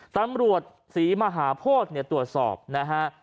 ตำรวจศรีมหาพวกตรวจสอบนะฮะ